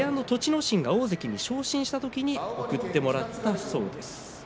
心が大関に昇進した時贈ってもらったそうです。